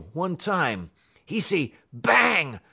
_ one tam, 'e say _bang!